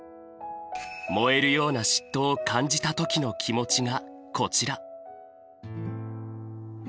燃えるような嫉妬を感じた時の気持ちがこちら。